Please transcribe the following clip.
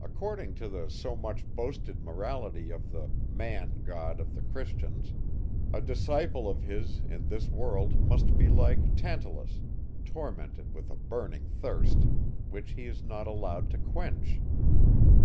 According to the so much boasted morality of the man God of the Christians, a disciple of his in this world must be like Tantalus, tormented with a burning thirst, which he is not allowed to quench.